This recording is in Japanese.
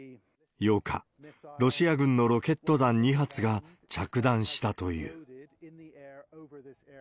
８日、ロシア軍のロケット弾２発が着弾したという。